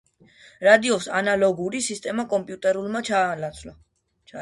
რადიოს ანალოგური სისტემა კომპიუტერულმა ჩაანაცვლა.